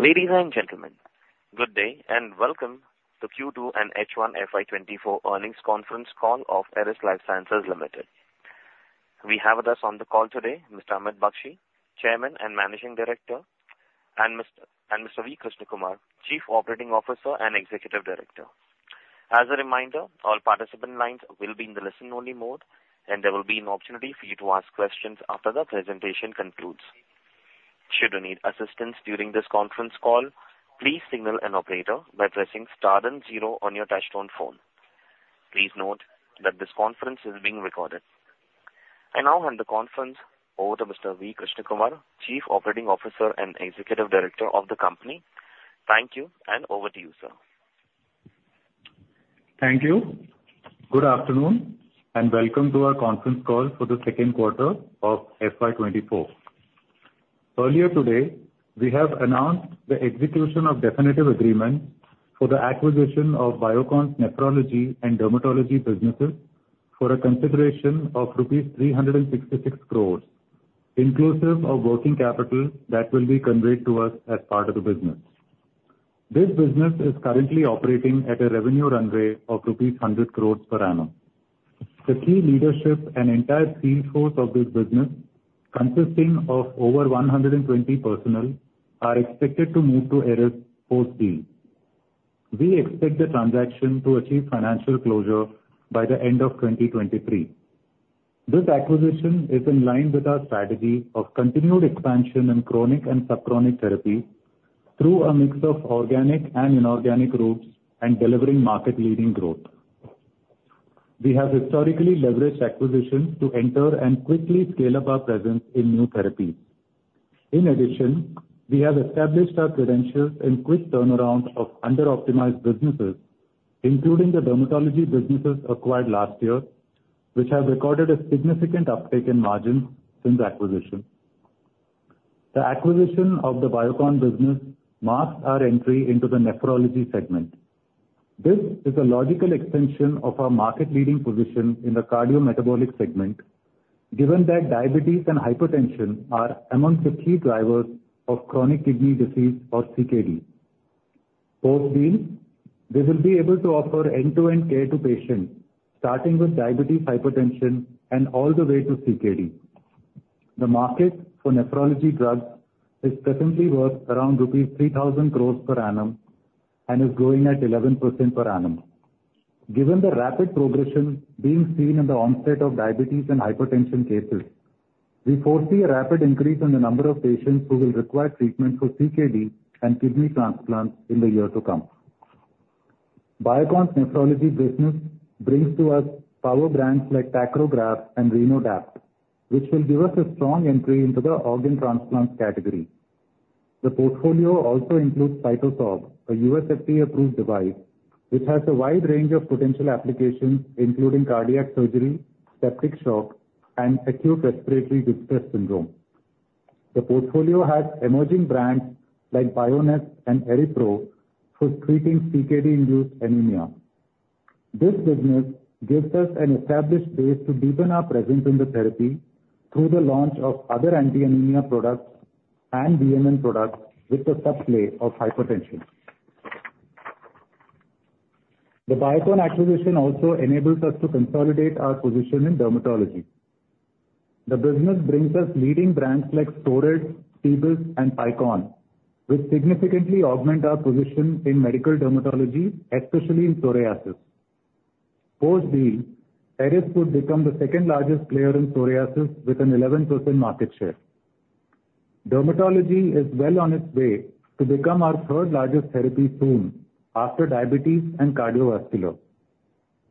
Ladies and gentlemen, good day, and welcome to Q2 and H1 FY 2024 earnings conference call of Eris Lifesciences Limited. We have with us on the call today, Mr. Amit Bakshi, Chairman and Managing Director, and Mr. V. Krishnakumar, Chief Operating Officer and Executive Director. As a reminder, all participant lines will be in the listen-only mode, and there will be an opportunity for you to ask questions after the presentation concludes. Should you need assistance during this conference call, please signal an operator by pressing star then zero on your touchtone phone. Please note that this conference is being recorded. I now hand the conference over to Mr. V. Krishnakumar, Chief Operating Officer and Executive Director of the company. Thank you, and over to you, sir. Thank you. Good afternoon, and welcome to our conference call for the second quarter of FY 2024. Earlier today, we have announced the execution of definitive agreement for the acquisition of Biocon's nephrology and dermatology businesses for a consideration of rupees 366 crore, inclusive of working capital that will be conveyed to us as part of the business. This business is currently operating at a revenue run rate of rupees 100 crore per annum. The key leadership and entire field force of this business, consisting of over 120 personnel, are expected to move to Eris post-deal. We expect the transaction to achieve financial closure by the end of 2023. This acquisition is in line with our strategy of continued expansion in chronic and subchronic therapy through a mix of organic and inorganic routes and delivering market-leading growth. We have historically leveraged acquisitions to enter and quickly scale up our presence in new therapies. In addition, we have established our credentials in quick turnaround of underoptimized businesses, including the dermatology businesses acquired last year, which have recorded a significant uptick in margins since acquisition. The acquisition of the Biocon business marks our entry into the nephrology segment. This is a logical extension of our market-leading position in the cardiometabolic segment, given that diabetes and hypertension are among the key drivers of chronic kidney disease, or CKD. Post-deal, we will be able to offer end-to-end care to patients, starting with diabetes, hypertension, and all the way to CKD. The market for nephrology drugs is presently worth around rupees 3,000 crore per annum and is growing at 11% per annum. Given the rapid progression being seen in the onset of diabetes and hypertension cases, we foresee a rapid increase in the number of patients who will require treatment for CKD and kidney transplants in the year to come. Biocon's nephrology business brings to us power brands like Tacrograf and Renodapt, which will give us a strong entry into the organ transplant category. The portfolio also includes CytoSorb, a USFDA-approved device, which has a wide range of potential applications, including cardiac surgery, septic shock, and acute respiratory distress syndrome. The portfolio has emerging brands like Bionesp and Erypro for treating CKD-induced anemia. This business gives us an established base to deepen our presence in the therapy through the launch of other anti-anemia products and VMN products with the subplay of hypertension. The Biocon acquisition also enables us to consolidate our position in dermatology. The business brings us leading brands like Psorid, Tbis, and Picon, which significantly augment our position in medical dermatology, especially in psoriasis. Post-deal, Eris would become the second-largest player in psoriasis with an 11% market share. Dermatology is well on its way to become our third-largest therapy soon after diabetes and cardiovascular.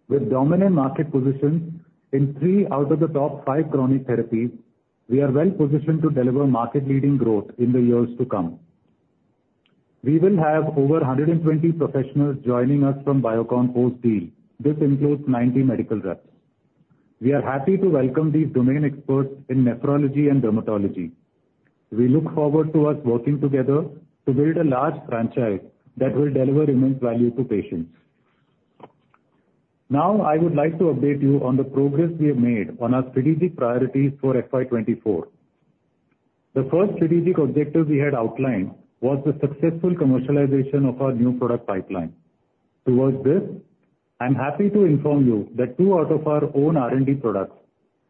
With dominant market positions in three out of the top five chronic therapies, we are well positioned to deliver market-leading growth in the years to come. We will have over 120 professionals joining us from Biocon post-deal. This includes 90 medical reps. We are happy to welcome these domain experts in nephrology and dermatology. We look forward to us working together to build a large franchise that will deliver immense value to patients. Now, I would like to update you on the progress we have made on our strategic priorities for FY 2024. The first strategic objective we had outlined was the successful commercialization of our new product pipeline. Towards this, I'm happy to inform you that two out of our own R&D products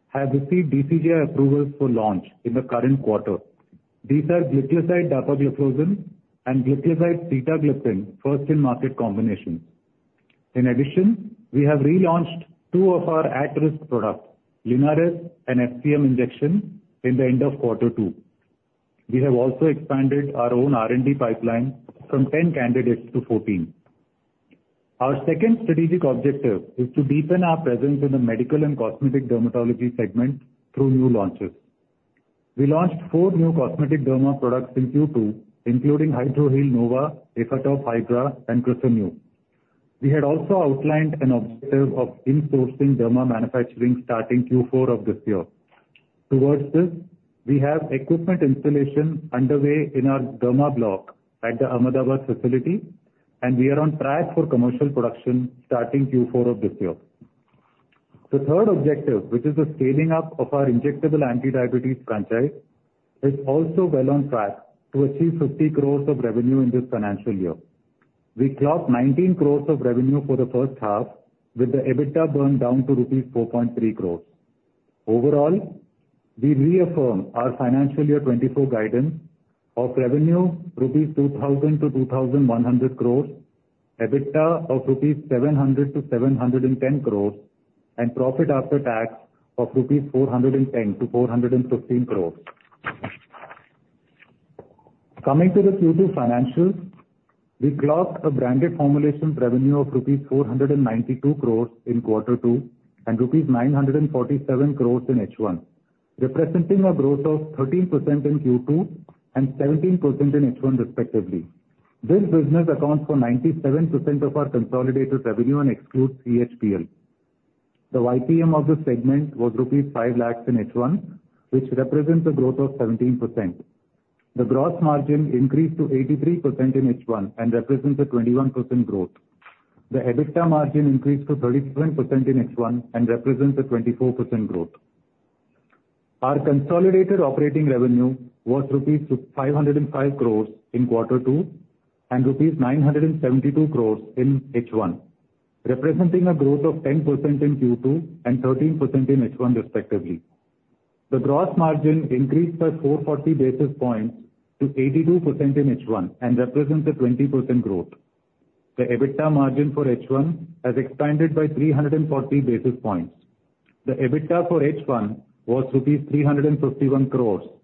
have received DCGI approvals for launch in the current quarter. These are Gliclazide-Dapagliflozin and Gliclazide-Sitagliptin, first-in-market combination. In addition, we have relaunched two of our at-risk products, Linares and FCM injection, in the end of quarter two. We have also expanded our own R&D pipeline from 10 candidates to 14. Our second strategic objective is to deepen our presence in the medical and cosmetic dermatology segment through new launches. We launched four new cosmetic derma products in Q2, including HydroHeal Nova, Efatop Hydra, and Crisoe. We had also outlined an objective of insourcing derma manufacturing starting Q4 of this year. Towards this, we have equipment installation underway in our derma block at the Ahmedabad facility, and we are on track for commercial production starting Q4 of this year. The third objective, which is the scaling up of our injectable anti-diabetes franchise, is also well on track to achieve 50 crore of revenue in this financial year. We clocked 19 crore of revenue for the first half, with the EBITDA burned down to rupees 4.3 crore. Overall, we reaffirm our financial year 2024 guidance of revenue, 2,000 crore-2,100 crore rupees, EBITDA of 700 crore-710 crore rupees, and profit after tax of 410 crore-415 crore rupees. Coming to the Q2 financials, we clocked a branded formulations revenue of rupees 492 crore in quarter two, and rupees 947 crore in H1, representing a growth of 13% in Q2, and 17% in H1 respectively. This business accounts for 97% of our consolidated revenue and excludes EHPL. The YPM of this segment was rupees 5 lakh in H1, which represents a growth of 17%. The gross margin increased to 83% in H1, and represents a 21% growth. The EBITDA margin increased to 37% in H1, and represents a 24% growth. Our consolidated operating revenue was rupees 505 crore in quarter two and rupees 972 crore in H1, representing a growth of 10% in Q2, and 13% in H1 respectively. The gross margin increased by 440 basis points to 82% in H1, and represents a 20% growth. The EBITDA margin for H1 has expanded by 340 basis points. The EBITDA for H1 was rupees 351 crore,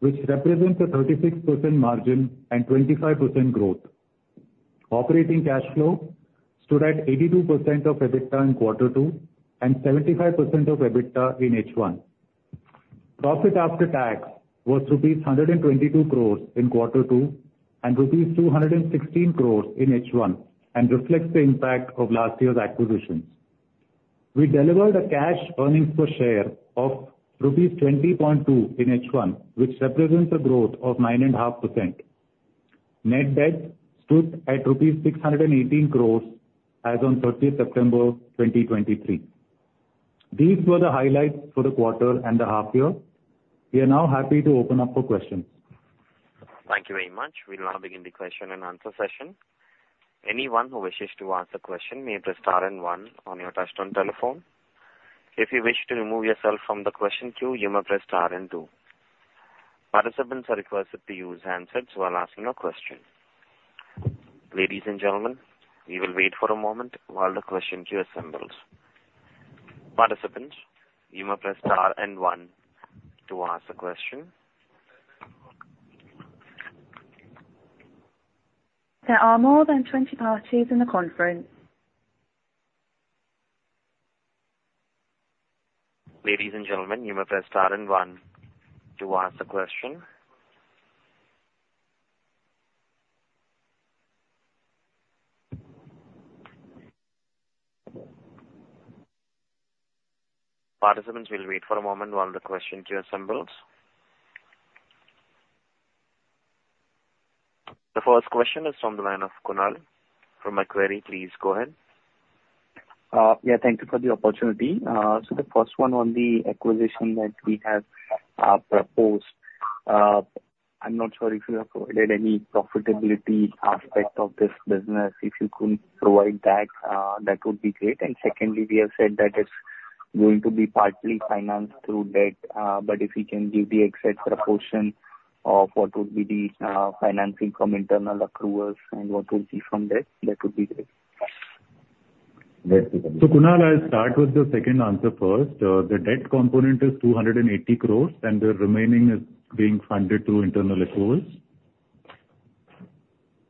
which represents a 36% margin and 25% growth. Operating cash flow stood at 82% of EBITDA in Quarter Two, and 75% of EBITDA in H1. Profit after tax was rupees 122 crore in quarter two and rupees 216 crore in H1, and reflects the impact of last year's acquisitions. We delivered a cash earnings per share of rupees 20.2 in H1, which represents a growth of 9.5%. Net debt stood at 618 crore rupees as on 30 September 2023. These were the highlights for the quarter and the half year. We are now happy to open up for questions. Thank you very much. We'll now begin the question-and-answer session. Anyone who wishes to ask a question may press star and one on your touchtone telephone. If you wish to remove yourself from the question queue, you may press star and two. Participants are requested to use handsets while asking a question. Ladies and gentlemen, we will wait for a moment while the question queue assembles. Participants, you may press star and one to ask a question. There are more than 20 parties in the conference. Ladies and gentlemen, you may press star and one to ask a question. Participants, we'll wait for a moment while the question queue assembles. The first question is from the line of Kunal from Macquarie. Please go ahead. Yeah, thank you for the opportunity. So the first one on the acquisition that we have proposed. I'm not sure if you have provided any profitability aspect of this business. If you could provide that, that would be great. And secondly, we have said that it's going to be partly financed through debt, but if you can give the exact proportion of what would be the financing from internal accruals and what would be from debt, that would be great. So, Kunal, I'll start with the second answer first. The debt component is 280 crore, and the remaining is being funded through internal accruals.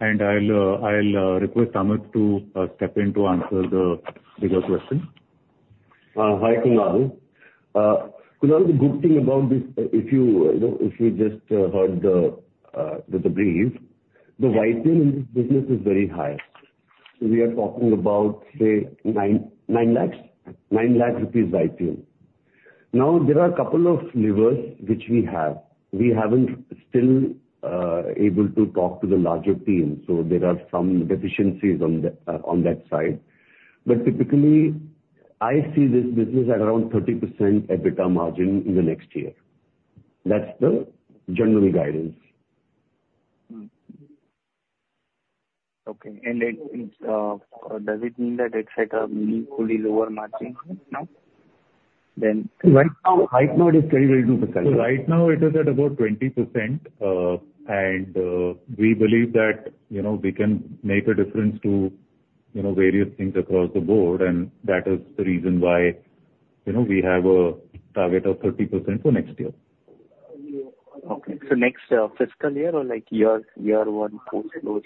And I'll, I'll request Amit to step in to answer the bigger question. Hi, Kunal. Kunal, the good thing about this, if you, you know, if you just heard the debrief, the YPM in this business is very high. We are talking about, say, 900,000? 9,000 rupees YPM. Now, there are a couple of levers which we have. We haven't still able to talk to the larger team, so there are some deficiencies on the- on that side. But typically, I see this business at around 30% EBITDA margin in the next year. That's the general guidance. Hmm. Okay, and does it mean that it's at a meaningfully lower margin right now, then? Right now, right now, it is very, very successful. So right now it is at about 20%. We believe that, you know, we can make a difference to, you know, various things across the board, and that is the reason why, you know, we have a target of 30% for next year. Okay, so next, fiscal year or like year, year one full close?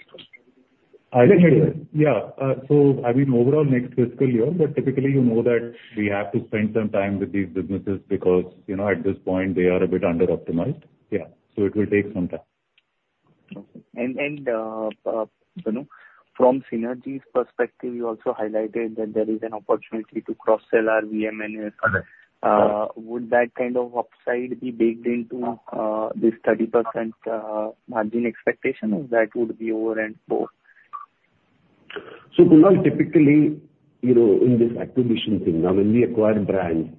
I think, yeah. So I mean, overall next fiscal year, but typically, you know that we have to spend some time with these businesses because, you know, at this point they are a bit under optimized. Yeah. So it will take some time. Okay. And, you know, from synergies perspective, you also highlighted that there is an opportunity to cross-sell our VMN. Correct. Would that kind of upside be baked into this 30% margin expectation, or that would be over and above?... So Kunal, typically, you know, in this acquisition thing, now when we acquire brands,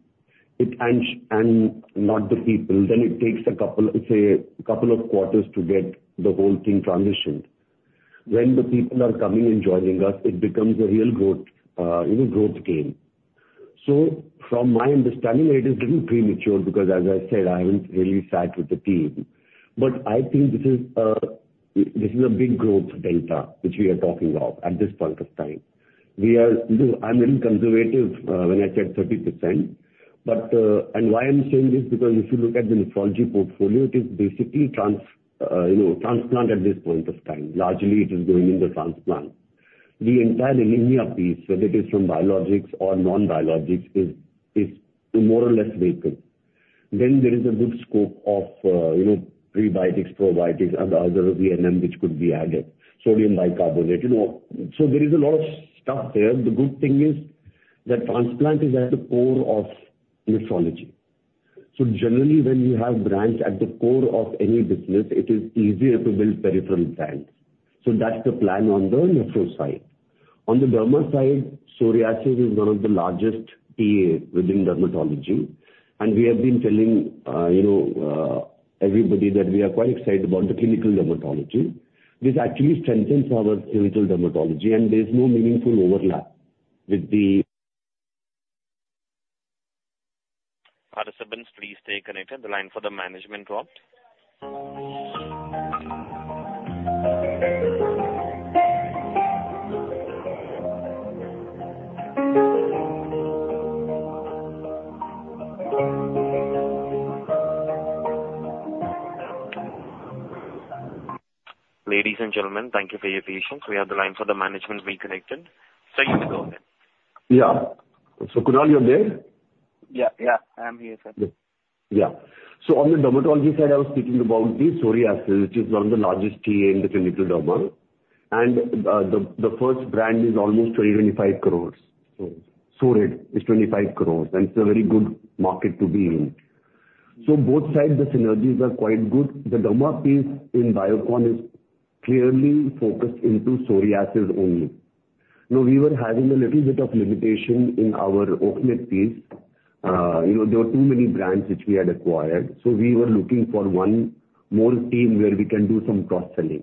it and, and not the people, then it takes a couple, say, a couple of quarters to get the whole thing transitioned. When the people are coming and joining us, it becomes a real growth, you know, growth game. So from my understanding, it is little premature, because as I said, I haven't really sat with the team. But I think this is, this is a big growth delta which we are talking of at this point of time. We are-- You know, I'm little conservative, when I said 30%, but... And why I'm saying this, because if you look at the nephrology portfolio, it is basically trans, you know, transplant at this point of time. Largely, it is going in the transplant. The entire anemia piece, whether it is from biologics or non-biologics, is more or less vacant. Then there is a good scope of, you know, prebiotics, probiotics, and other VMN, which could be added, sodium bicarbonate, you know. So there is a lot of stuff there. The good thing is that transplant is at the core of nephrology. So generally, when you have brands at the core of any business, it is easier to build peripheral brands. So that's the plan on the nephro side. On the derma side, psoriasis is one of the largest TA within dermatology, and we have been telling, you know, everybody that we are quite excited about the clinical dermatology. This actually strengthens our original dermatology, and there is no meaningful overlap with the- Participants, please stay connected. The line for the management dropped. Ladies and gentlemen, thank you for your patience. We have the line for the management reconnected. Sir, you can go ahead. Yeah. So, Kunal, you're there? Yeah, yeah. I am here, sir. Good. Yeah. So on the dermatology side, I was speaking about the psoriasis, which is one of the largest TA in the clinical derma, and, the, the first brand is almost 205 crore. So it is 25 crore, and it's a very good market to be in. So both sides, the synergies are quite good. The derma piece in Biocon is clearly focused into psoriasis only. Now, we were having a little bit of limitation in our ointment piece. You know, there were too many brands which we had acquired, so we were looking for one more team where we can do some cross-selling.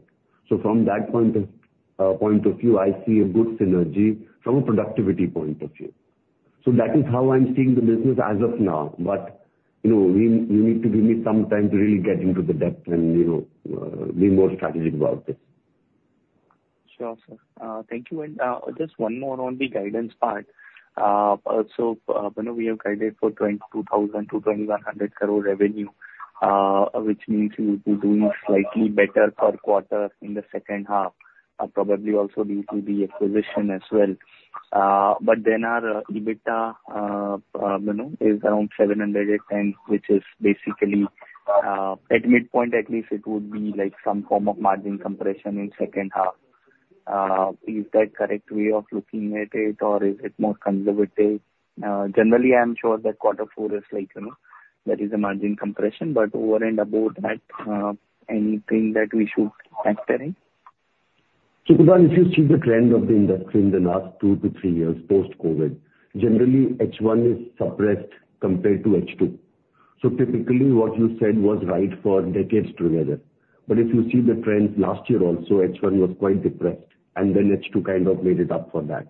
So from that point of, point of view, I see a good synergy from a productivity point of view. So that is how I'm seeing the business as of now, but, you know, we, you need to give me some time to really get into the depth and, you know, be more strategic about this. Sure, sir. Thank you. And just one more on the guidance part. So, when we have guided for 2,200 crore-2,100 crore revenue, which means you will be doing slightly better per quarter in the second half, probably also due to the acquisition as well. But then our EBITDA, you know, is around 710 crore, which is basically at midpoint at least, it would be like some form of margin compression in second half. Is that correct way of looking at it, or is it more conservative? Generally, I'm sure that quarter four is like, you know, there is a margin compression, but over and above that, anything that we should factor in? So, Kunal, if you see the trend of the industry in the last two to three years post-COVID, generally, H1 is suppressed compared to H2. So typically, what you said was right for decades together. But if you see the trends, last year also, H1 was quite depressed, and then H2 kind of made it up for that.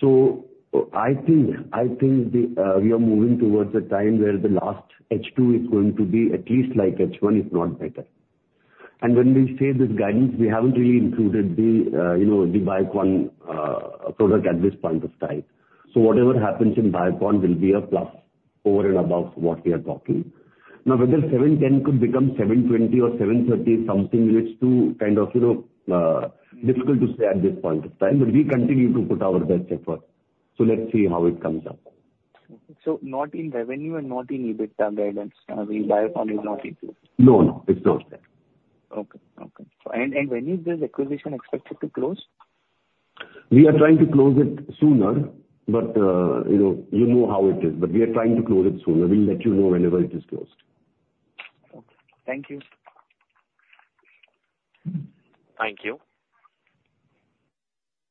So I think we are moving towards a time where the last H2 is going to be at least like H1, if not better. And when we say this guidance, we haven't really included the, you know, the Biocon product at this point of time. So whatever happens in Biocon will be a plus over and above what we are talking. Now, whether 710 could become 720 or 730-something, it's too kind of, you know, difficult to say at this point of time, but we continue to put our best effort. So let's see how it comes up. So not in revenue and not in EBITDA guidance, the Biocon is not included? No, it's not there. Okay. Okay. And when is this acquisition expected to close? We are trying to close it sooner, but, you know, you know how it is, but we are trying to close it sooner. We'll let you know whenever it is closed. Okay. Thank you. Thank you.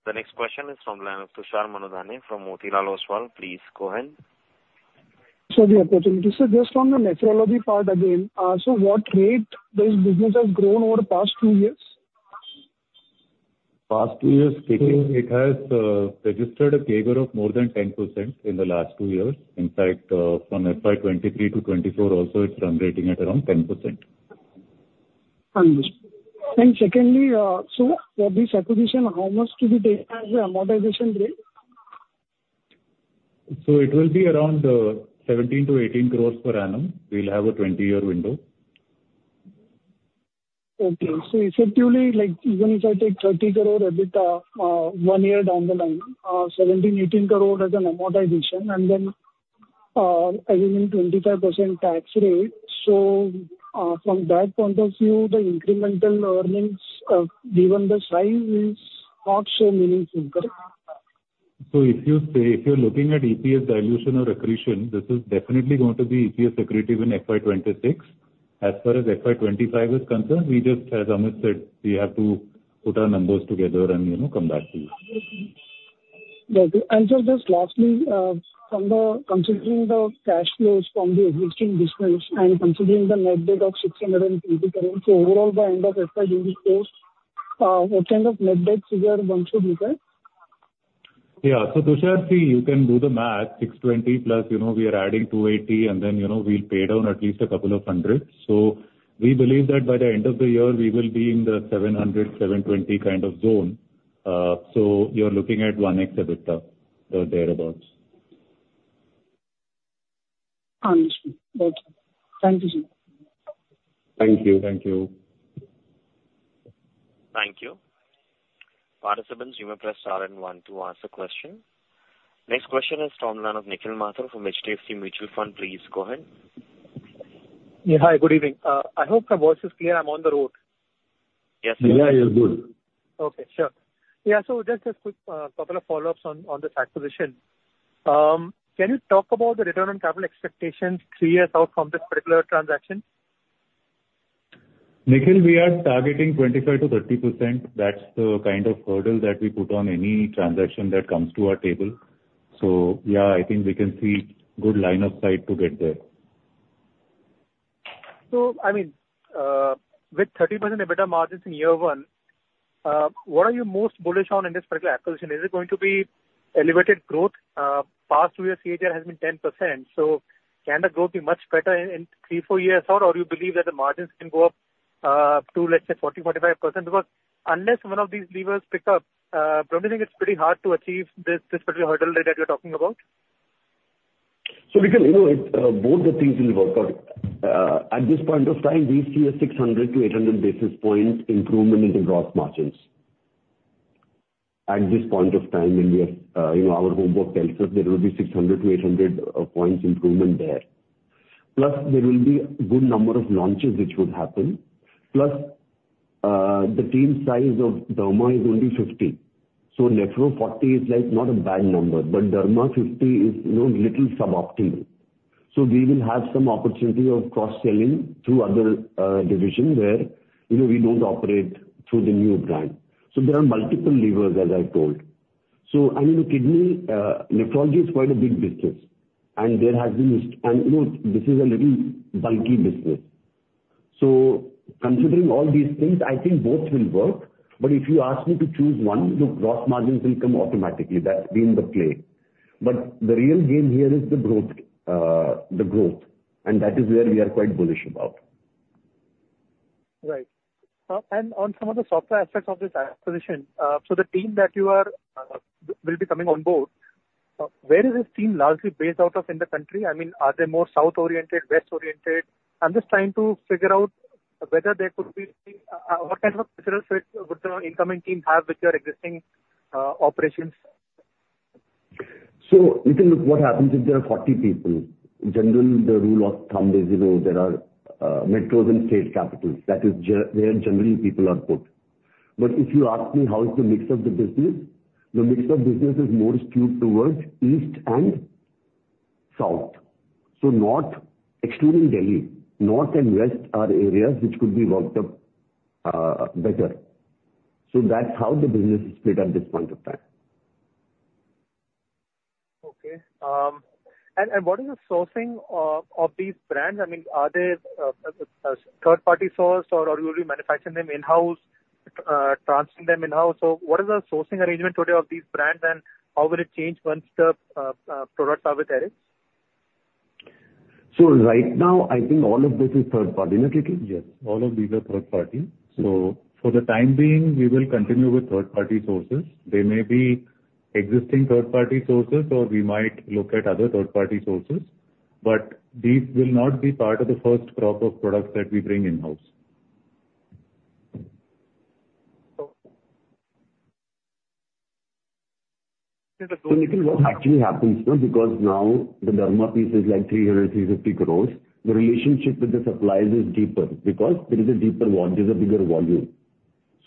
The next question is from the line of Tushar Manudhane from Motilal Oswal. Please go ahead. Thank you for the opportunity. So just on the nephrology part again, so what rate this business has grown over the past two years? Past two years, it has registered a CAGR of more than 10% in the last two years. In fact, from FY 2023-FY 2024 also, it's run rate at around 10%. Understood. And secondly, so for this acquisition, how much to be taken as an amortization rate? So it will be around 170 crore-180 crore per annum. We'll have a 20-year window. Okay. So effectively, like even if I take 300,000 EBITDA, one year down the line, 170 crore-180 crore as an amortization, and then, assuming 25% tax rate, so, from that point of view, the incremental earnings, given the size, is not so meaningful, correct?... So if you say, if you're looking at EPS dilution or accretion, this is definitely going to be EPS accretive in FY 2026. As far as FY 2025 is concerned, we just, as Amit said, we have to put our numbers together and, you know, come back to you. Got you. And just lastly, from considering the cash flows from the existing business and considering the net debt of 650 crore so overall, the end of FY will close, what kind of net debt figure one should look at? Yeah. So, Tushar, see, you can do the math, 620 crore+, you know, we are adding 280, and then, you know, we'll pay down at least a couple of hundred. So we believe that by the end of the year, we will be in the 700-720 kind of zone. So you're looking at 1x EBITDA, or thereabouts. Understood. Okay. Thank you. Thank you. Thank you. Thank you. Participants, you may press star and one to ask a question. Next question is from the line of Nikhil Mathur from HDFC Mutual Fund. Please go ahead. Yeah, hi, good evening. I hope my voice is clear. I'm on the road. Yes. Yeah, you're good. Okay, sure. Yeah, so just a quick couple of follow-ups on this acquisition. Can you talk about the return on capital expectations three years out from this particular transaction? Nikhil, we are targeting 25%-30%. That's the kind of hurdle that we put on any transaction that comes to our table. So yeah, I think we can see good line of sight to get there. So I mean, with 30% EBITDA margins in year one, what are you most bullish on in this particular acquisition? Is it going to be elevated growth? Past two-year CAGR has been 10%, so can the growth be much better in three to four years, or do you believe that the margins can go up to, let's say, 40%-45%? Because unless one of these levers pick up, personally, it's pretty hard to achieve this particular hurdle that you're talking about. So we can, you know, it, both the things will work out. At this point of time, we see a 600-800 basis point improvement in the gross margins. At this point of time, when we are, you know, our homework tells us there will be 600-800 points improvement there. Plus, there will be good number of launches which would happen. Plus, the team size of Derma is only 50, so Nephro 40 is, like, not a bad number, but Derma 50 is, you know, little suboptimal. So we will have some opportunity of cross-selling through other divisions where, you know, we don't operate through the new brand. So there are multiple levers, as I told. So, you know, kidney, nephrology is quite a big business, and there has been this, and, you know, this is a little bulky business. So considering all these things, I think both will work. But if you ask me to choose one, the gross margins will come automatically. That's been the play. But the real game here is the growth, the growth, and that is where we are quite bullish about. Right. And on some of the software aspects of this acquisition, so the team that will be coming on board, where is this team largely based out of in the country? I mean, are they more south-oriented, west-oriented? I'm just trying to figure out whether there could be what kind of a cultural fit would the incoming team have with your existing operations. You can look what happens if there are 40 people. Generally, the rule of thumb is, you know, there are metros and state capitals, that is where generally people are put. But if you ask me, how is the mix of the business? The mix of business is more skewed towards east and south. So north, excluding Delhi, north and west are areas which could be worked up better. So that's how the business is split at this point of time. Okay. And what is the sourcing of these brands? I mean, are they third-party sourced, or you'll be manufacturing them in-house, transferring them in-house? So what is the sourcing arrangement today of these brands, and how will it change once the products are with Eris? Right now, I think all of this is third party, isn't it, Nikhil? Yes, all of these are third party. So for the time being, we will continue with third-party sources. They may be existing third-party sources, or we might look at other third-party sources, but these will not be part of the first crop of products that we bring in-house. Okay. So, Nikhil, what actually happens, no, because now the Derma piece is like 300-350 crore. The relationship with the suppliers is deeper because there is a deeper one, there's a bigger volume.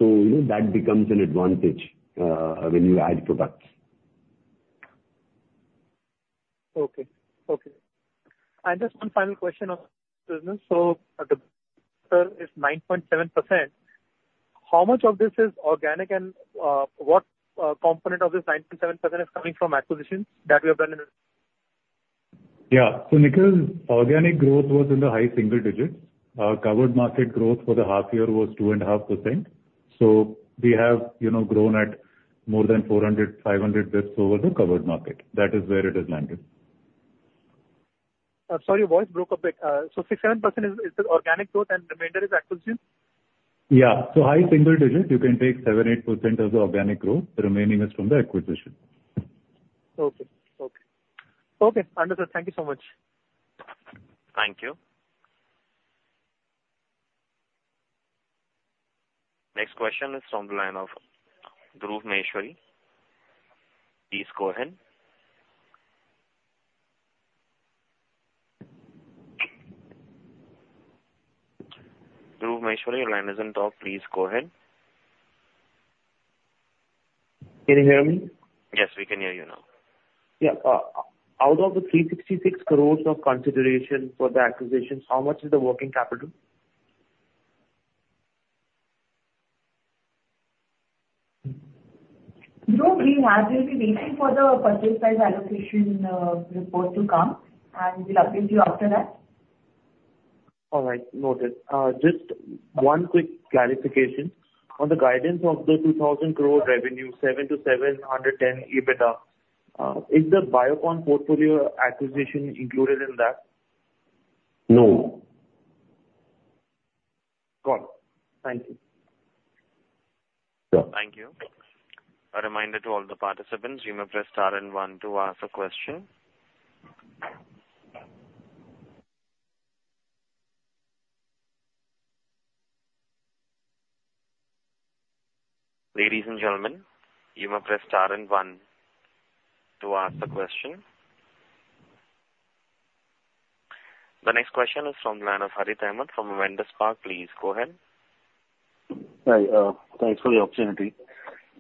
So, you know, that becomes an advantage when you add products. Okay. Okay. Just one final question on business. So this is 9.7%. How much of this is organic, and what component of this 9.7% is coming from acquisitions that you have done in this? Yeah. So Nikhil, organic growth was in the high single digits. Our covered market growth for the half year was 2.5%. So we have, you know, grown at more than 400-500 basis over the covered market. That is where it has landed. Sorry, your voice broke up a bit. So 67% is the organic growth and the remainder is acquisition? Yeah. So high single digits, you can take 7%-8% as the organic growth. The remaining is from the acquisition. Okay. Okay. Okay, understood. Thank you so much. Thank you. Next question is from the line of Dhruv Maheshwari. Please go ahead... Maheshwari, your line is on top. Please go ahead. Can you hear me? Yes, we can hear you now. Yeah. Out of the 366 crore of consideration for the acquisitions, how much is the working capital? You know, we will be waiting for the purchase price allocation report to come, and we'll update you after that. All right. Noted. Just one quick clarification. On the guidance of the 200 crore revenue, 700 crore-710 crore EBITDA, is the Biocon portfolio acquisition included in that? No. Got it. Thank you. Thank you. A reminder to all the participants, you may press star and one to ask a question. Ladies and gentlemen, you may press star and one to ask a question. The next question is from the line of Harith Ahamed from Avendus Spark. Please go ahead. Hi, thanks for the opportunity.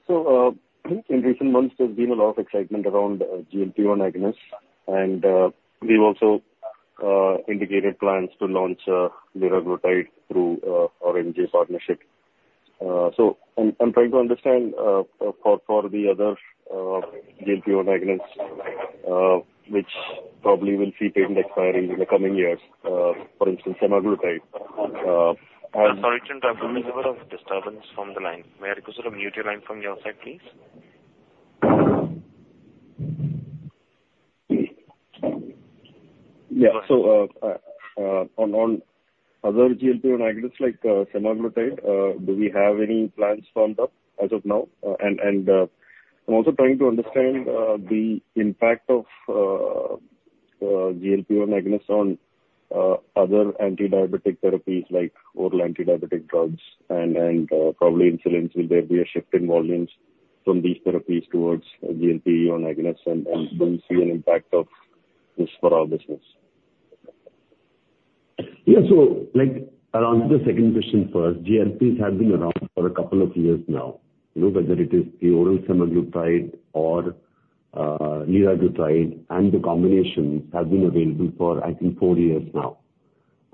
So, in recent months, there's been a lot of excitement around GLP-1 agonists, and we've also indicated plans to launch liraglutide through our MJ partnership. So I'm trying to understand, for the other GLP-1 agonists, which probably will see patent expiring in the coming years, for instance, semaglutide, and- Sorry, there's a little bit of disturbance from the line. May I request you to mute your line from your side, please? Yeah. So, on other GLP-1 agonists like Semaglutide, do we have any plans formed up as of now? And I'm also trying to understand the impact of GLP-1 agonists on other antidiabetic therapies like oral antidiabetic drugs and probably insulin. Will there be a shift in volumes from these therapies towards GLP-1 agonists, and will we see an impact of this for our business? Yeah. So, like, I'll answer the second question first. GLPs have been around for a couple of years now, you know, whether it is the oral Semaglutide or, liraglutide, and the combinations have been available for, I think, four years now.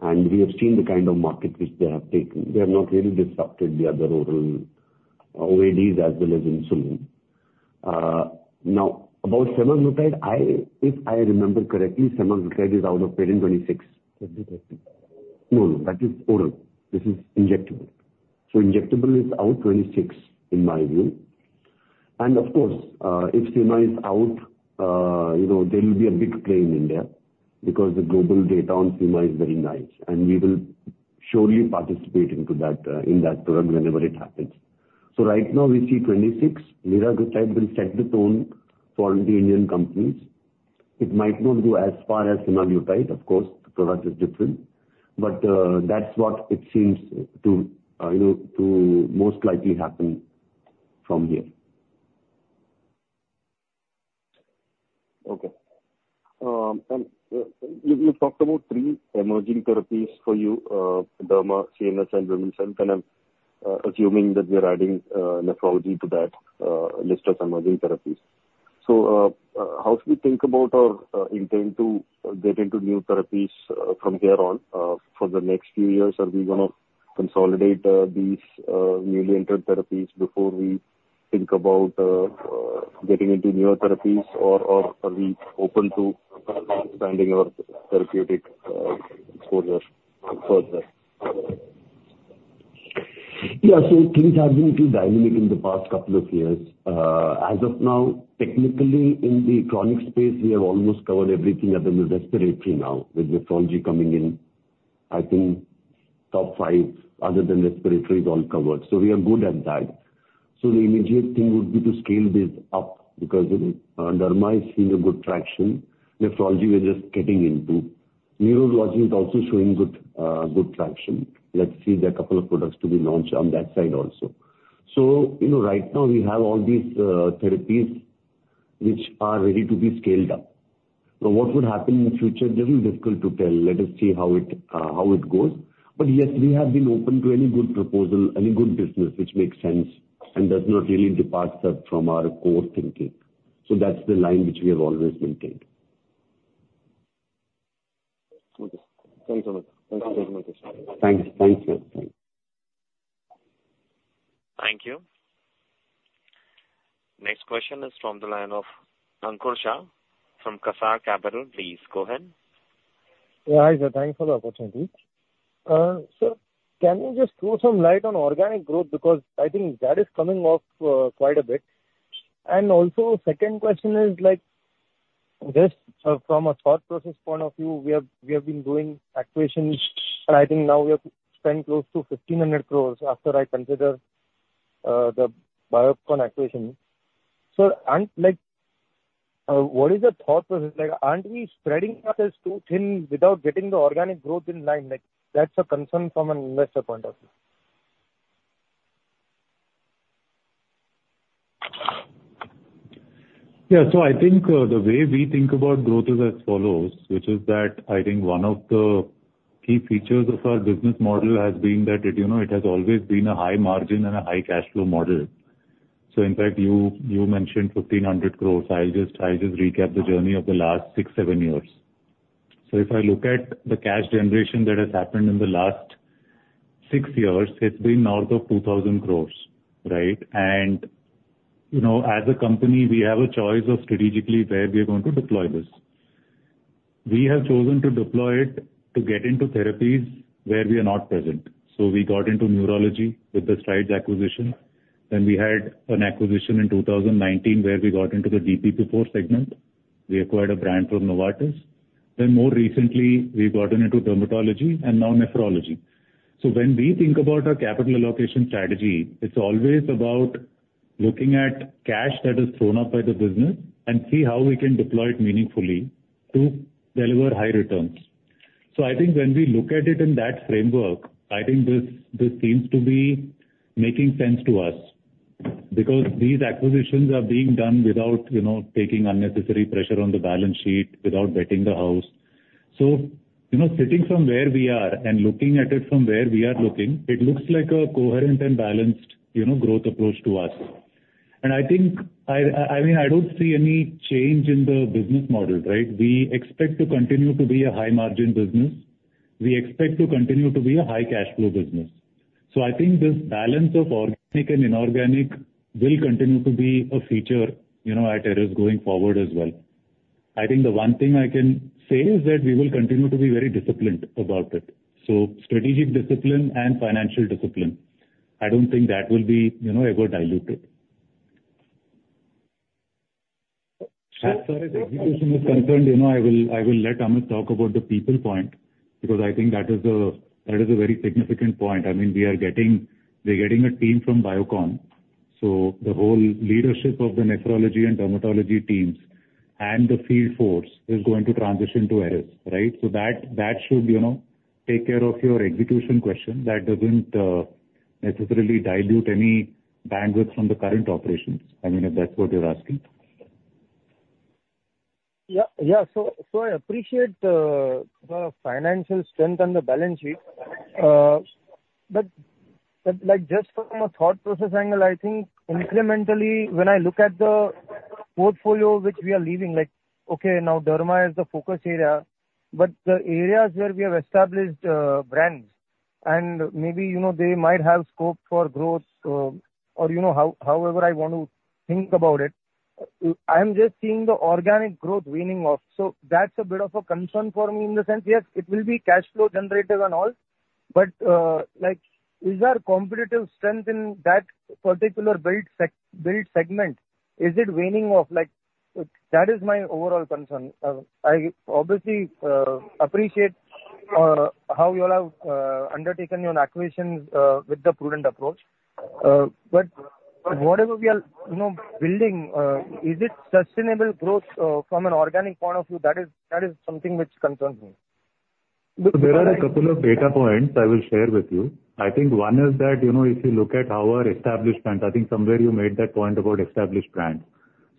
And we have seen the kind of market which they have taken. They have not really disrupted the other oral OADs as well as insulin. Now, about Semaglutide, if I remember correctly, Semaglutide is out of patent 2026. No, no, that is oral. This is injectable. So injectable is out 2026, in my view. And of course, if SEMA is out, you know, there will be a big play in India because the global data on SEMA is very nice, and we will surely participate into that, in that product whenever it happens. So right now, we see 2026. Liraglutide will set the tone for the Indian companies. It might not go as far as Semaglutide, of course, the product is different, but, that's what it seems to, you know, to most likely happen from here. Okay. And you talked about three emerging therapies for your derma, CNS and women's health, and I'm assuming that we are adding nephrology to that list of emerging therapies. So, how should we think about our intent to get into new therapies from here on? For the next few years, are we gonna consolidate these newly entered therapies before we think about getting into newer therapies, or are we open to expanding our therapeutic exposure further? Yeah. So things have been too dynamic in the past couple of years. As of now, technically, in the chronic space, we have almost covered everything other than respiratory now, with nephrology coming in. I think top five, other than respiratory, is all covered. So we are good at that. So the immediate thing would be to scale this up, because, you know, derma is seeing a good traction. Nephrology, we're just getting into. Neurology is also showing good, good traction. Let's see, there are a couple of products to be launched on that side also. So, you know, right now we have all these, therapies which are ready to be scaled up. So what would happen in the future? It is difficult to tell. Let us see how it, how it goes. Yes, we have been open to any good proposal, any good business which makes sense and does not really depart us from our core thinking. That's the line which we have always maintained. Okay. Thanks a lot. Thank you very much. Thanks. Thank you. Thanks. Thank you. Next question is from the line of Ankur Shah fromQuasar Capital. Please go ahead. Yeah, hi, sir. Thanks for the opportunity. So can you just throw some light on organic growth? Because I think that is coming off quite a bit. And also, second question is, like, just from a thought process point of view, we have been doing acquisitions, and I think now we have spent close to 15 crore after I consider the Biocon acquisition. So and, like, what is the thought process? Like, aren't we spreading ourselves too thin without getting the organic growth in line? Like, that's a concern from an investor point of view. ... Yeah, so I think, the way we think about growth is as follows: which is that I think one of the key features of our business model has been that it, you know, it has always been a high margin and a high cash flow model. So in fact, you, you mentioned 15 crore. I'll just, I'll just recap the journey of the last six, seven years. So if I look at the cash generation that has happened in the last six years, it's been north of 20 crore right? And, you know, as a company, we have a choice of strategically where we are going to deploy this. We have chosen to deploy it to get into therapies where we are not present. So we got into neurology with the Strides acquisition, then we had an acquisition in 2019, where we got into the DPP-4 segment. We acquired a brand from Novartis. Then more recently, we've gotten into dermatology and now nephrology. So when we think about our capital allocation strategy, it's always about looking at cash that is thrown up by the business and see how we can deploy it meaningfully to deliver high returns. So I think when we look at it in that framework, I think this, this seems to be making sense to us. Because these acquisitions are being done without, you know, taking unnecessary pressure on the balance sheet, without betting the house. So, you know, sitting from where we are and looking at it from where we are looking, it looks like a coherent and balanced, you know, growth approach to us. I think, I mean, I don't see any change in the business model, right? We expect to continue to be a high-margin business. We expect to continue to be a high-cash flow business. So I think this balance of organic and inorganic will continue to be a feature, you know, at Eris going forward as well. I think the one thing I can say is that we will continue to be very disciplined about it, so strategic discipline and financial discipline. I don't think that will be, you know, ever diluted. As far as execution is concerned, you know, I will let Amit talk about the people point, because I think that is a very significant point. I mean, we are getting, we're getting a team from Biocon, so the whole leadership of the nephrology and dermatology teams and the field force is going to transition to Eris, right? So that, that should, you know, take care of your execution question. That doesn't necessarily dilute any bandwidth from the current operations, I mean, if that's what you're asking. Yeah, yeah. So I appreciate the financial strength and the balance sheet. But like, just from a thought process angle, I think incrementally, when I look at the portfolio which we are leaving, like, okay, now derma is the focus area. But the areas where we have established brands and maybe, you know, they might have scope for growth, or, you know, however I want to think about it, I am just seeing the organic growth waning off. So that's a bit of a concern for me in the sense, yes, it will be cash flow generative and all, but like, is our competitive strength in that particular business segment waning off? Like, that is my overall concern. I obviously appreciate how you all have undertaken your acquisitions with the prudent approach. But whatever we are, you know, building, is it sustainable growth, from an organic point of view? That is, that is something which concerns me. There are a couple of data points I will share with you. I think one is that, you know, if you look at our established brands, I think somewhere you made that point about established brands.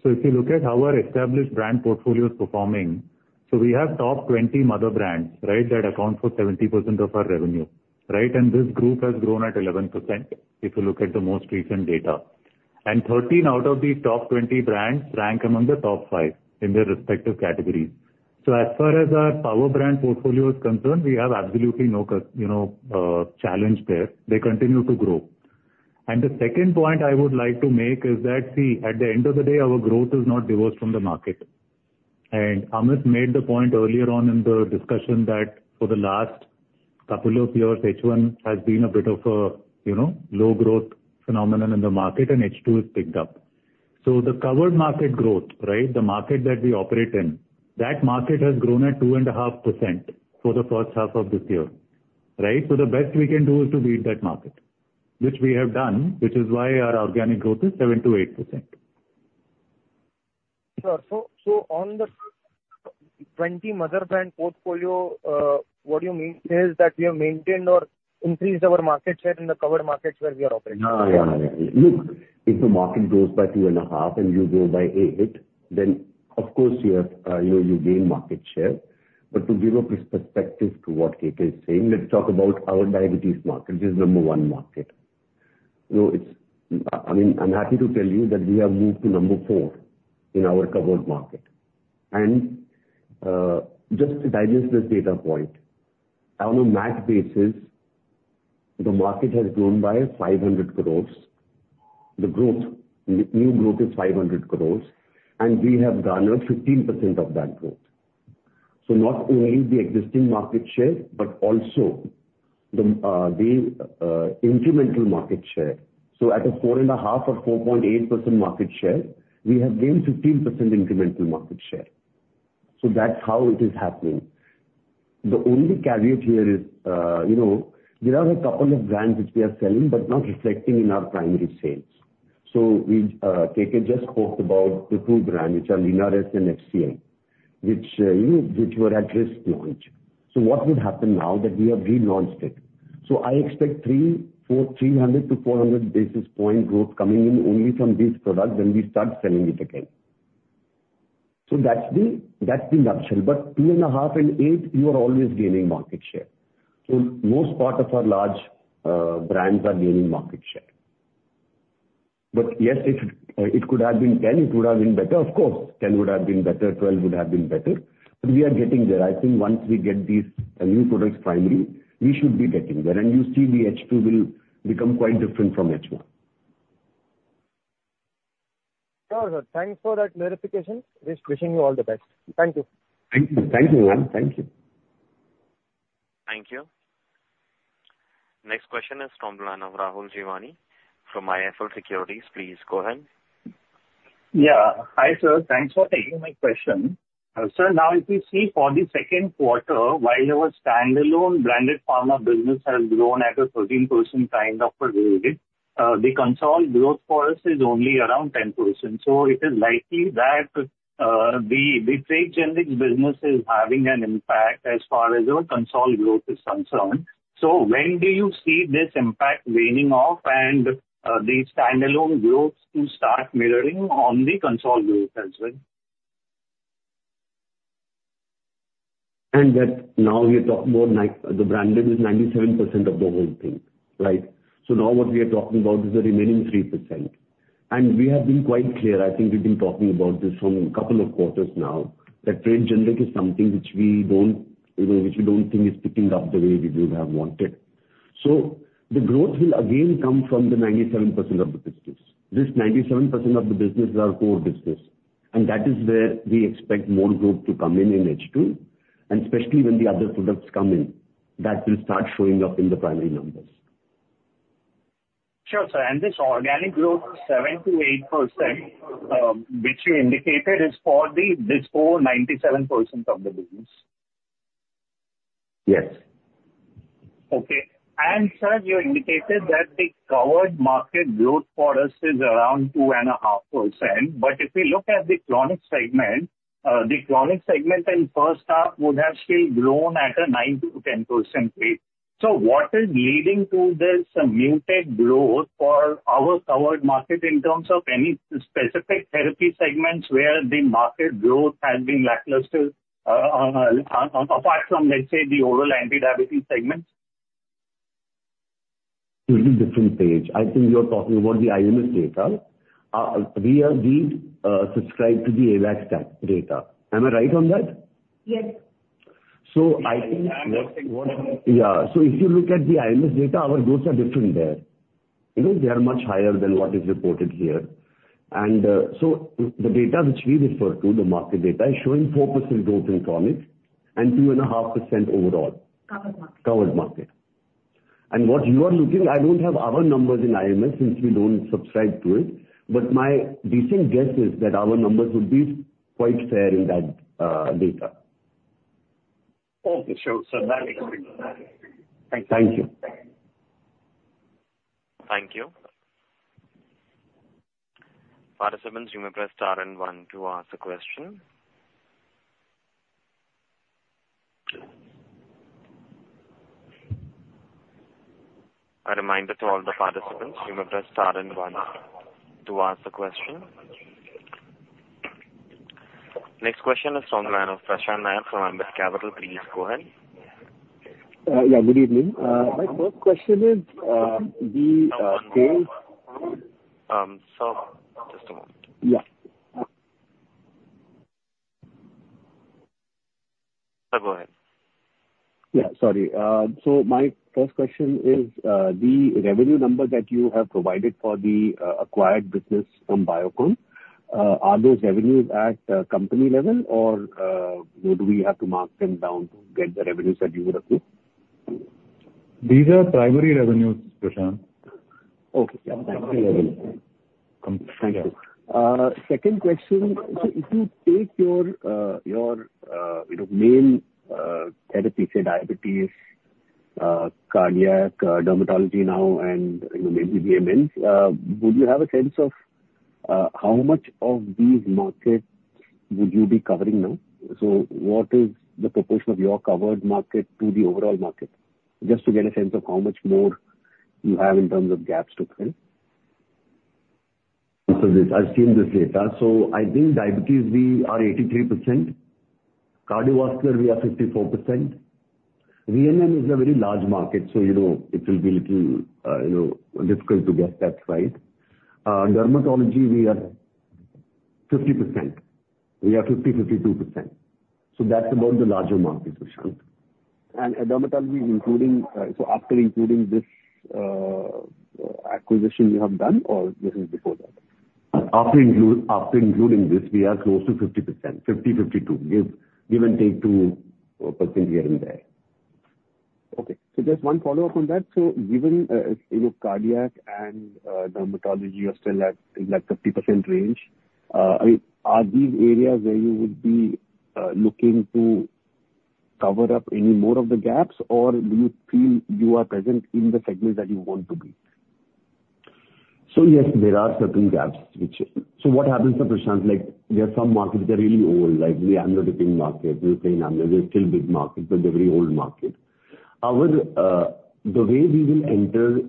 So if you look at how our established brand portfolio is performing, so we have top 20 mother brands, right? That account for 70% of our revenue, right? And this group has grown at 11%, if you look at the most recent data. And 13 out of the top 20 brands rank among the top five in their respective categories. So as far as our power brand portfolio is concerned, we have absolutely no you know, challenge there. They continue to grow. And the second point I would like to make is that, see, at the end of the day, our growth is not divorced from the market. Amit made the point earlier on in the discussion that for the last couple of years, H1 has been a bit of a, you know, low growth phenomenon in the market, and H2 has picked up. So the covered market growth, right? The market that we operate in, that market has grown at 2.5% for the first half of this year, right? So the best we can do is to beat that market, which we have done, which is why our organic growth is 7%-8%. Sure. So, on the 20 mother brand portfolio, what you mean to say is that we have maintained or increased our market share in the covered markets where we are operating? Yeah, yeah, yeah. Look, if the market grows by 2.5, and you grow by 8, then of course, you have, you gain market share. But to give a perspective to what KK is saying, let's talk about our diabetes market, which is number one market. You know, it's... I mean, I'm happy to tell you that we have moved to number four in our covered market. And just to digest this data point, on a MAT basis, the market has grown by 50 crore. The growth, the new growth is 50 crore, and we have garnered 15% of that growth. So not only the existing market share, but also the incremental market share. So at a 4.5% or 4.8% market share, we have gained 15% incremental market share. So that's how it is happening. The only caveat here is, you know, there are a couple of brands which we are selling, but not reflecting in our primary sales. So we, KK just spoke about the two brands, which are Linares and FCM, which were at risk launch. So what would happen now that we have relaunched it? So I expect 300-400 basis point growth coming in only from this product when we start selling it again. So that's the, that's the nutshell. But 2.5 and 8, you are always gaining market share. So most part of our large brands are gaining market share. But yes, if it could have been 10, it would have been better. Of course, 10 would have been better, 12 would have been better, but we are getting there. I think once we get these new products finally, we should be getting there. And you see the H2 will become quite different from H1. Sure, sir. Thanks for that clarification. Wishing you all the best. Thank you. Thank you. Thank you, Rohan. Thank you. Thank you. Next question is from the line of Rahul Jeewani from IIFL Securities. Please go ahead. Yeah. Hi, sir. Thanks for taking my question. Sir, now, if you see for the second quarter, while your standalone branded pharma business has grown at a 13% kind of a rate, the consolidated growth for us is only around 10%. So it is likely that, the trade generic business is having an impact as far as your consolidated growth is concerned. So when do you see this impact waning off and, the standalone growth to start mirroring on the consolidated growth as well? That now we are talking about 97-- the branded is 97% of the whole thing, right? So now what we are talking about is the remaining 3%. We have been quite clear, I think we've been talking about this from a couple of quarters now, that trade generic is something which we don't, you know, which we don't think is picking up the way we would have wanted. So the growth will again come from the 97% of the business. This 97% of the business is our core business, and that is where we expect more growth to come in in H2, and especially when the other products come in, that will start showing up in the primary numbers. Sure, sir. This organic growth, 7%-8%, which you indicated, is for the, this whole 97% of the business? Yes. Okay. And, sir, you indicated that the covered market growth for us is around 2.5%. But if we look at the chronic segment, the chronic segment in first half would have still grown at a 9%-10% rate. So what is leading to this muted growth for our covered market in terms of any specific therapy segments, where the market growth has been lackluster, apart from, let's say, the oral anti-diabetes segment? Totally different page. I think you're talking about the IMS data. We are subscribed to the AWACS data. Am I right on that? Yes. So I think, yeah. So if you look at the IMS data, our growth are different there. You know, they are much higher than what is reported here. And so the data which we refer to, the market data, is showing 4% growth in chronic and 2.5% overall. Covered market. Covered market. What you are looking, I don't have our numbers in IMS since we don't subscribe to it, but my decent guess is that our numbers would be quite fair in that data. Okay, sure, sir. That makes sense. Thank you. Thank you. Thank you. Participants, you may press star and one to ask a question. A reminder to all the participants, you may press star and one to ask the question. Next question is from the line of Prashant Nair from Ambit Capital. Please go ahead. Yeah, good evening. My first question is, the case- Just a moment. Yeah. Go ahead. Yeah, sorry. So my first question is, the revenue number that you have provided for the acquired business from Biocon, are those revenues at company level? Or do we have to mark them down to get the revenues that you would have paid? These are primary revenues, Prashant. Okay. Primary level. Thank you. Second question, so if you take your your you know main therapy, say, diabetes, cardiac, dermatology now and, you know, maybe VMN, would you have a sense of how much of these markets would you be covering now? So what is the proportion of your covered market to the overall market? Just to get a sense of how much more you have in terms of gaps to fill. So this, I've seen this data. So I think diabetes, we are 83%. Cardiovascular, we are 54%. VMN is a very large market, so you know, it will be little, you know, difficult to guess that right. Dermatology, we are 50%. We are 50%, 52%. So that's about the larger market, Prashant. And dermatology, including, so after including this, acquisition you have done or this is before that? After including this, we are close to 50%, 50%, 52%. Give and take 2% here and there. Okay, so just one follow-up on that. So given, you know, cardiac and, dermatology are still at, like, 50% range, I mean, are these areas where you would be, looking to cover up any more of the gaps? Or do you feel you are present in the segments that you want to be?... So yes, there are certain gaps which, so what happens to Prashant, like, there are some markets which are really old, like the amlodipine market, you're saying they're still big markets, but they're very old market. Our, the way we will enter,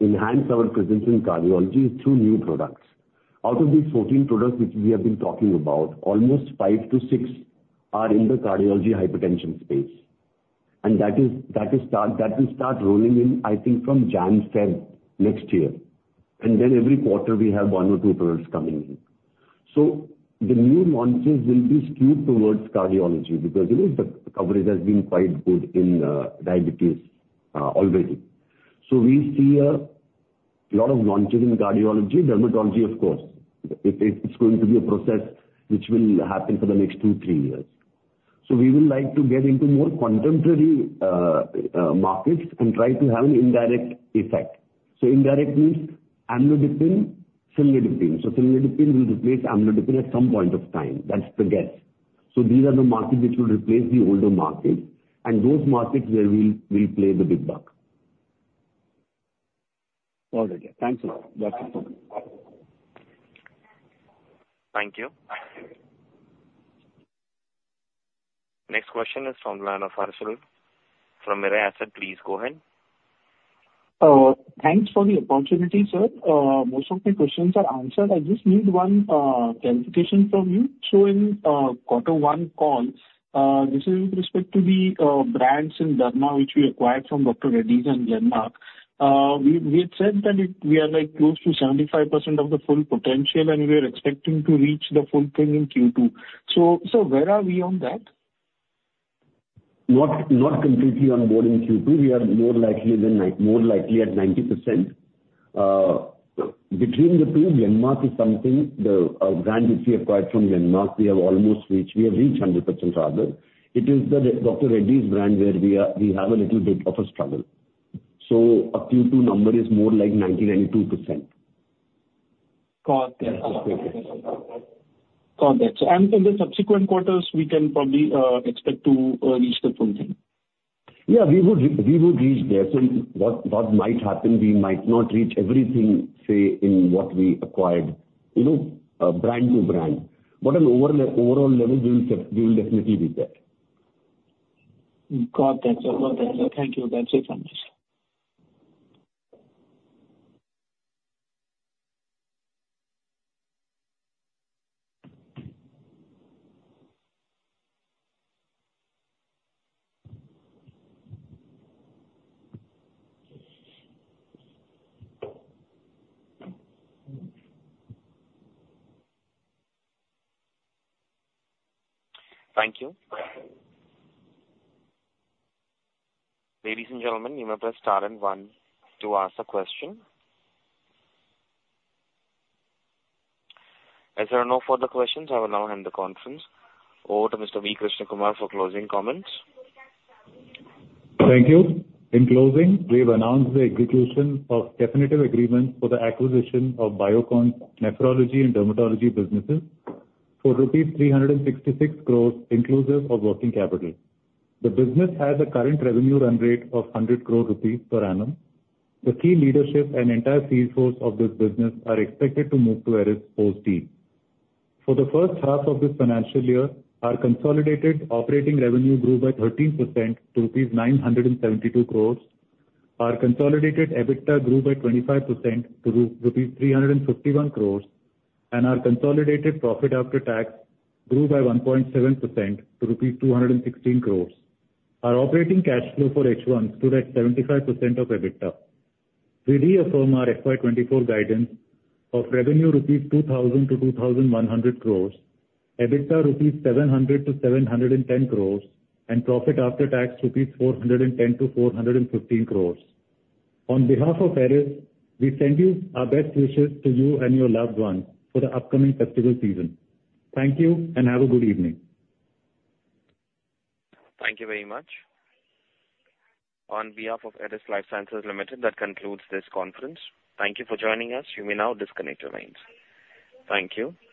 enhance our presence in cardiology is through new products. Out of these 14 products which we have been talking about, almost five to six are in the cardiology hypertension space, and that is, that is start, that will start rolling in, I think, from January, February next year, and then every quarter we have one or two products coming in. So the new launches will be skewed towards cardiology because, you know, the coverage has been quite good in, diabetes, already. So we see a lot of launches in cardiology. Dermatology, of course, it's going to be a process which will happen for the next two to three years. So we would like to get into more contemporary markets and try to have an indirect effect. So indirect means amlodipine, cilnidipine. So cilnidipine will replace amlodipine at some point of time. That's the guess. So these are the markets which will replace the older markets, and those markets where we will play the big buck. All right, yeah. Thanks a lot. That's it for me. Thank you. Next question is from Vrijesh Kasera from Mirae Asset. Please go ahead. Thanks for the opportunity, sir. Most of my questions are answered. I just need one clarification from you. So in quarter one call, this is with respect to the brands in Derma, which we acquired from Dr. Reddy's and Glenmark. We had said that it, we are like close to 75% of the full potential, and we are expecting to reach the full thing in Q2. So where are we on that? Not completely on board in Q2. We are more likely at 90%. Between the two, Glenmark is something, the brand which we acquired from Glenmark, we have almost reached, we have reached 100%, rather. It is the Dr. Reddy's brand where we are, we have a little bit of a struggle. So our Q2 number is more like 90%-92%. Got that. Got that. In the subsequent quarters, we can probably expect to reach the full thing? Yeah, we would, we would reach there. So what, what might happen, we might not reach everything, say, in what we acquired, you know, brand to brand, but on overall, overall level, we will definitely be there. Got that, sir. Got that, sir. Thank you. Thanks very much. Thank you. Ladies and gentlemen, you may press star and one to ask a question. As there are no further questions, I will now hand the conference over to Mr. V. Krishnakumar for closing comments. Thank you. In closing, we have announced the execution of definitive agreement for the acquisition of Biocon's nephrology and dermatology businesses for 366 crore, inclusive of working capital. The business has a current revenue run rate of 100 crore rupees per annum. The key leadership and entire field force of this business are expected to move to Eris's core team. For the first half of this financial year, our consolidated operating revenue grew by 13% to rupees 972 crore. Our consolidated EBITDA grew by 25% to rupees 351 crore and our consolidated profit after tax grew by 1.7% to rupees 216 crore. Our operating cash flow for H1 stood at 75% of EBITDA. We reaffirm our FY 2024 guidance of revenue 2,000 crore-2,100 crore rupees, EBITDA rupees 700-710 crore, and profit after tax 410 crore-415 crore rupees. On behalf of Eris, we send you our best wishes to you and your loved ones for the upcoming festival season. Thank you, and have a good evening. Thank you very much. On behalf of Eris Lifesciences Limited, that concludes this conference. Thank you for joining us. You may now disconnect your lines. Thank you.